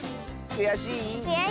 くやしい。